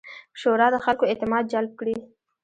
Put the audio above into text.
شورا د خلکو اعتماد جلب کړي.